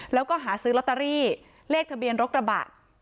แล้วก็หาซื้อลอตเตอรี่เลขทะเบียนรถกระบะ